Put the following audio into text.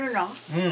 うん。